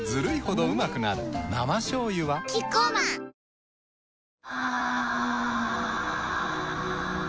生しょうゆはキッコーマンおはよう。